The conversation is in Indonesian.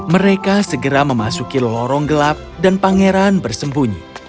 mereka segera memasuki lorong gelap dan pangeran bersembunyi